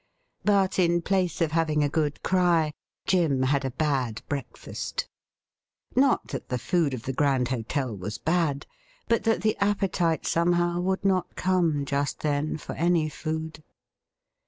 But in place of having a good cry Jim had a bad breakfast. Not thai the food of the Grand Hotel was bad, but that the appetite somehow would not come just then for any food.